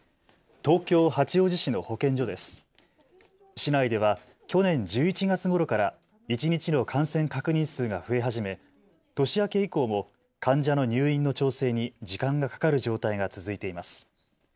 市内では去年１１月ごろから一日の感染確認数が増え始め年明け以降も患者の入院の調整に時間がかかる状態が続いています。